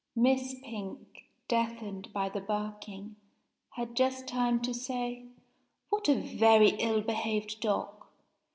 Miss Pink, deafened by the barking, had just time to say, "What a very ill behaved dog!"